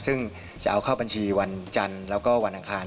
ซึ่งจะเอาเข้าบัญชีวันจันทร์แล้วก็วันอังคาร